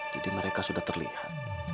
jadi mereka sudah terlihat